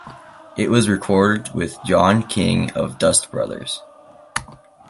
It was recorded with John King of Dust Brothers.